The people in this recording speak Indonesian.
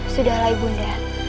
sudahlah ibu undang